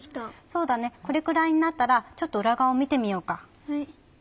そうだねこれぐらいになったらちょっと裏側を見てみようか。